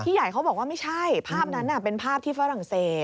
ใหญ่เขาบอกว่าไม่ใช่ภาพนั้นเป็นภาพที่ฝรั่งเศส